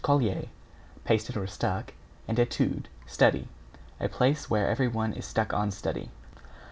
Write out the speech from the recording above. colle, pasted or stuck, and etude, study. A place where everyone is stuck on study.